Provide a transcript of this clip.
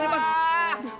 baik baik dah